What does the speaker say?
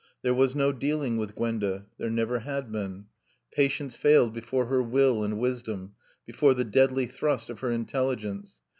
There was no dealing with Gwenda; there never had been. Patience failed before her will and wisdom before the deadly thrust of her intelligence.